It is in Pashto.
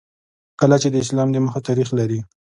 کلا چې د اسلام د مخه تاریخ لري